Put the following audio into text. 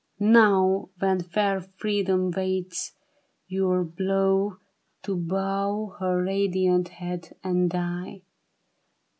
" Now when fair Freedom waits your blow To bow her radiant head and die